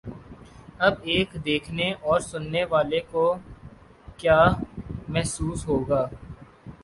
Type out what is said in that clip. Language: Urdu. اب ایک دیکھنے اور سننے والے کو کیا محسوس ہو گا؟